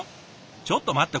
ちょっと待って？